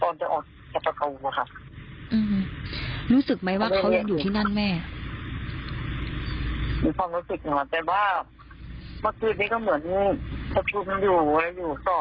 เมื่อนี้พักคุณอยู่